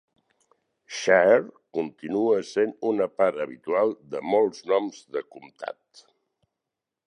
"Shire" continua sent una part habitual de molts noms de comtat.